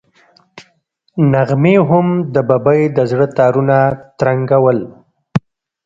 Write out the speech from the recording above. نغمې هم د ببۍ د زړه تارونه ترنګول.